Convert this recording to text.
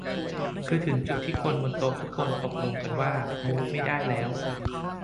คือถึงจุดที่คนบนโต๊ะทุกคนตกลงกันว่า มู้ดไม่ได้แล้ว